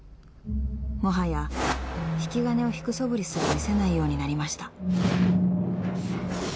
［もはや引き金を引くそぶりすら見せないようになりました］